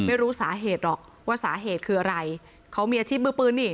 ไม่รู้สาเหตุหรอกว่าสาเหตุคืออะไรเขามีอาชีพมือปืนนี่